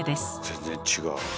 全然違う。